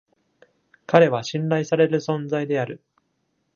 彼は信頼される存在である。